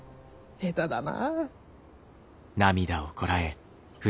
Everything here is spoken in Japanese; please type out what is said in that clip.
下手だな。